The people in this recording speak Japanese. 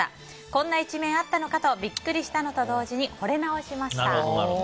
こんな一面あったのかとビックリしたのと同時にほれ直しました。